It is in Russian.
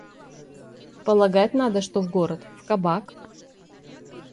Полагать надо, что в город. В кабак.